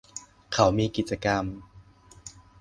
เขามีกิจกรรม